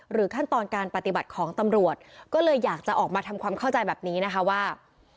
ขั้นตอนการปฏิบัติของตำรวจก็เลยอยากจะออกมาทำความเข้าใจแบบนี้นะคะว่า